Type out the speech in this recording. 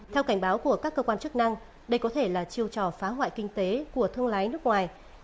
theo cảnh báo của các cơ quan chức năng đây có thể là chiêu trò phá hoại kinh tế của thương lái nước ngoài